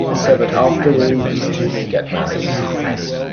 So that after all these two may get married.